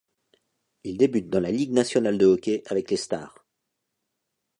Il débute dans la Ligue nationale de hockey avec les Stars.